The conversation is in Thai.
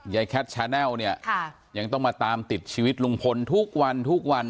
แคทชาแนลเนี่ยยังต้องมาตามติดชีวิตลุงพลทุกวันทุกวัน